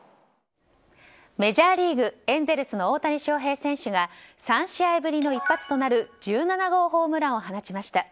メジャーリーグエンゼルスの大谷翔平選手が３試合ぶりの一発となる１７号ホームランを放ちました。